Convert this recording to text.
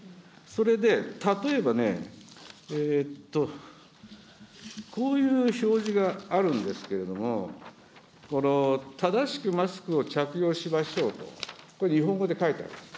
それで、例えばね、こういう表示があるんですけれども、正しくマスクを着用しましょうと、これ、日本語で書いてあるんです。